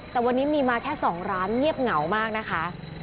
แต่วันนี้มีมาแค่๒ร้านเงียบเหงามากนะคะ